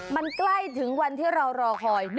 มันใกล้ถึงวันที่เรารอคอย